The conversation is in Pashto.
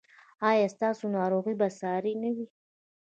ایا ستاسو ناروغي به ساري نه وي؟